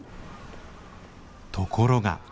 ところが。